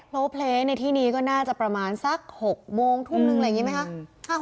โลเพลย์ในที่นี้ก็น่าจะประมาณสัก๖โมงทุ่มนึงอะไรอย่างนี้ไหมคะ